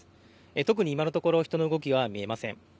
特に今のところ人の動きは見えません。